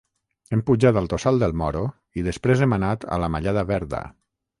Hem pujat al Tossal del Moro i després hem anat a la Mallada Verda.